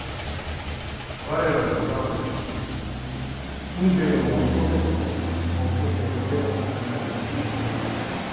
我らの裏をかき吽慶殿を襲うてこそ目的を遂げたと考えるのが氷ノ介ではないか？